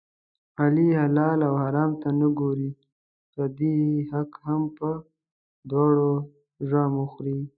علي حلال او حرام ته نه ګوري، پردی حق هم په دواړو زامو خوري.